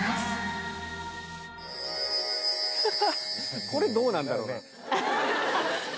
ハハっこれどうなんだろう。